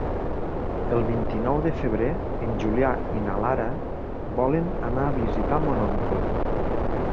El vint-i-nou de febrer en Julià i na Lara volen anar a visitar mon oncle.